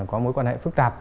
có mối quan hệ phức tạp